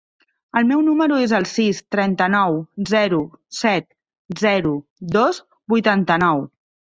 El meu número es el sis, trenta-nou, zero, set, zero, dos, vuitanta-nou.